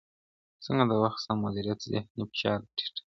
څنګه د وخت سم مدیریت ذهني فشار راټیټوي؟